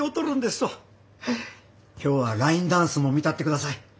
今日はラインダンスも見たってください。